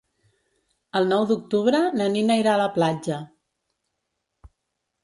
El nou d'octubre na Nina irà a la platja.